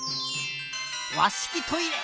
わしきトイレ！